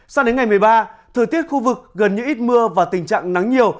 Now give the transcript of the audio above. sao đến ngày một mươi ba thời tiết khu vực gần như ít mưa và tình trạng nắng nhiều